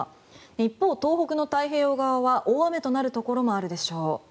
一方、東北の太平洋側は大雨となるところもあるでしょう。